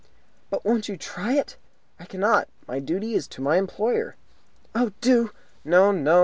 "But won't you try it?" "I cannot. My duty is to my employer." "Oh, do!" "No, no.